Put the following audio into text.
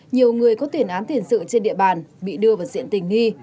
nhiều người có tiền án tiền sự trên địa bàn bị đưa vào diện tình nghi